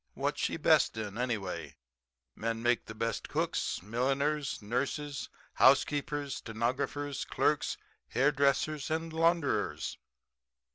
What's she best in, anyway? men make the best cooks, milliners, nurses, housekeepers, stenographers, clerks, hairdressers and launderers.